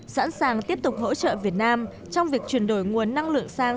sẵn sàng tiếp tục hỗ trợ việt nam trong việc chuyển đổi nguồn năng lượng sang